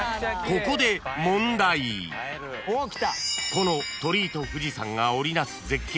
［この鳥居と富士山が織りなす絶景］